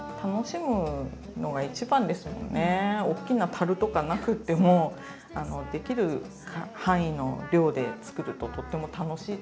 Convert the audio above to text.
おっきなたるとかなくてもできる範囲の量で作るととっても楽しいと思います。